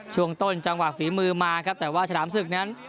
ช่วงต้นจังหวะฝีมือมาครับแต่ว่าฉลามศึกนั้น